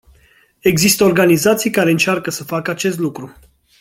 Există organizații care încearcă să facă acest lucru.